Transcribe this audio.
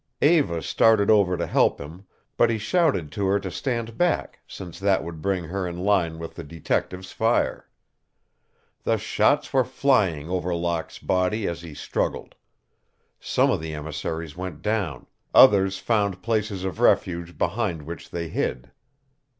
Eva started over to help him, but he shouted to her to stand back, since that would bring her in line with the detectives' fire. The shots were flying over Locke's body as he struggled. Some of the emissaries went down; others found places of refuge behind which they hid.